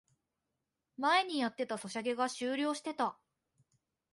前にやってたソシャゲが終了してた